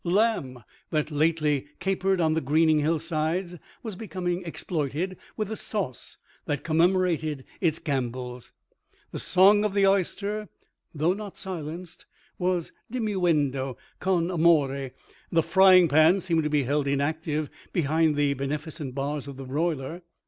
Lamb, that lately capered on the greening hillsides, was becoming exploited with the sauce that commemorated its gambols. The song of the oyster, though not silenced, was dimuendo con amore. The frying pan seemed to be held, inactive, behind the beneficent bars of the broiler.